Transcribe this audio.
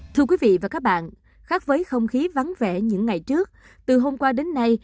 thưa quý vị và các bạn khác với không khí vắng vẻ những ngày trước từ hôm qua đến nay